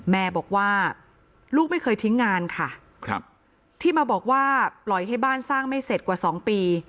แม่บอกว่าลูกไม่เคยทิ้งงานค่ะที่มาบอกว่าปล่อยให้บ้านสร้างไม่เสร็จกว่า๒ปี